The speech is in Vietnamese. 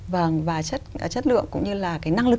và chất lượng cũng như là cái năng lực